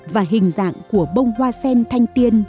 và hình dạng của bông hoa sen thanh tiên